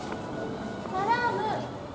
サラーム！